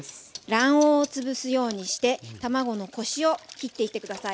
卵黄をつぶすようにして卵のコシをきっていって下さい。